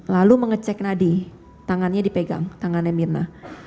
lalu mengecek nadi tangannya dipegang tangannya mirna